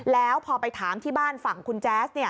แล้วพอไปถามที่บ้านฝั่งคุณแจ๊ส